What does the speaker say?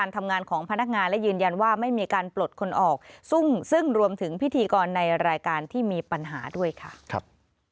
ทางแพ่งทางผกครองต่างต่างข้อหมดสม